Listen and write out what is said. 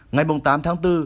ngày tám tháng bốn